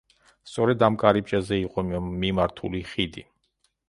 სწორედ ამ კარიბჭეზე იყო მიმართული ხიდი.